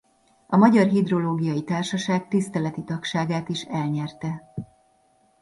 A Magyar Hidrológiai Társaság tiszteleti tagságát is elnyerte.